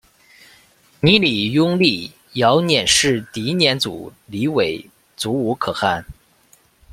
泥礼拥立遥辇氏迪辇组里为阻午可汗。